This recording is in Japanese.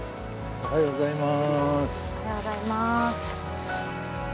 おはようございます。